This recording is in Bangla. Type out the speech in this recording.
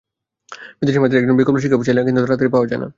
বিদেশের মাটিতে একজন বিকল্প শিক্ষক চাইলে কিন্তু রাতারাতি পাওয়া যায় না।